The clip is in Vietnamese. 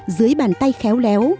dưới bàn tay khéo léo